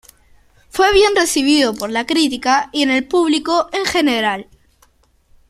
Fue bien recibido por la crítica y el público en general.